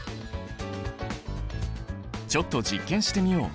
ちょっと実験してみよう！